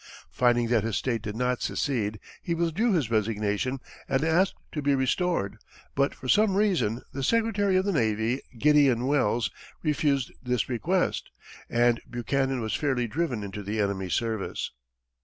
Finding that his state did not secede, he withdrew his resignation and asked to be restored, but for some reason, the secretary of the navy, Gideon Welles, refused this request, and Buchanan was fairly driven into the enemy's service.